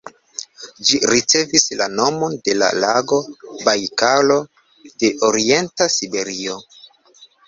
Ĝi ricevis la nomon de la lago Bajkalo de orienta siberio.